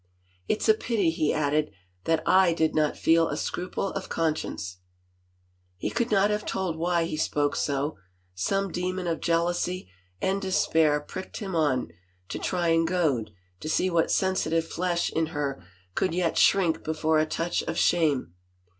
" It's a pity," he added, " that / did not feel a scruple of conscience —" He could not have told why he spoke so : some demon of jealousy and despair pricked him on, to try and goad, to see what sensitive flesh in her could yet shrink before a touch of shame.